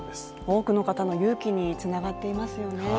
多くの方の勇気につながっていますよね。